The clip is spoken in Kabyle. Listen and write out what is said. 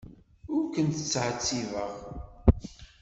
Ur kent-ttɛettibeɣ.